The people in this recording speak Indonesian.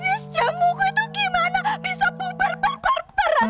bisnis cemungku itu gimana